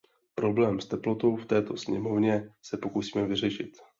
Problém s teplotou v této sněmovně se pokusíme vyřešit.